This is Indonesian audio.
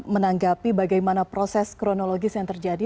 menanggapi bagaimana proses kronologis yang terjadi